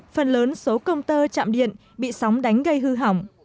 phần lớn số công tơ chạm điện bị sóng đánh gây hư hỏng